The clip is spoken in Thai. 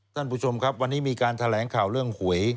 ท่านผู้ชมครับวันนี้มีการแถลงข่าวเรื่องหวย